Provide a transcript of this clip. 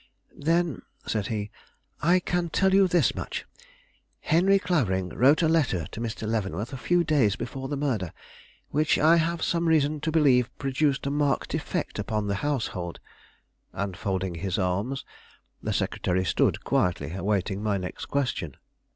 "Then," said he, "I can tell you this much. Henry Clavering wrote a letter to Mr. Leavenworth a few days before the murder, which I have some reason to believe produced a marked effect upon the household." And, folding his arms, the secretary stood quietly awaiting my next question.